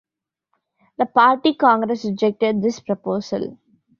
The party congress rejected this proposal.